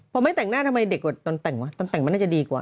พอไม่แต่งหน้าทำไมเด็กกว่าตอนแต่งวะตอนแต่งมันน่าจะดีกว่า